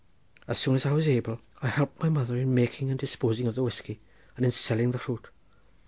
As soon as I was able, I helped my mother in making and disposing of the whiskey and in selling the fruit.